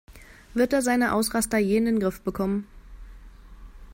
Wird er seine Ausraster je in den Griff bekommen?